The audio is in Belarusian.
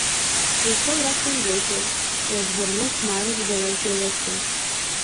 Прыйшоў раптам вецер і адагнаў хмары за далёкія лясы.